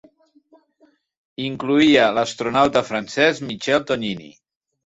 Incloïa l'astronauta francès Michel Tognini.